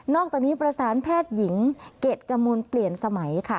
อกจากนี้ประสานแพทย์หญิงเกรดกมลเปลี่ยนสมัยค่ะ